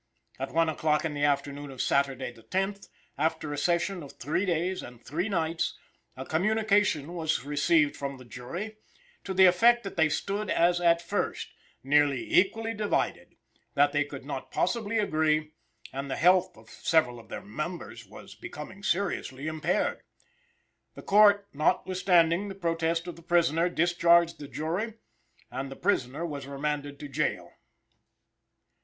At one o'clock in the afternoon of Saturday, the 10th, after a session of three days and three nights, a communication was received from the jury to the effect that they stood as at first, nearly equally divided, that they could not possibly agree, and the health of several of their numbers was becoming seriously impaired. The Court, notwithstanding the protest of the prisoner, discharged the jury, and the prisoner was remanded to jail.